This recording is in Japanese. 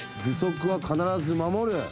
「部則は必ず守る！！」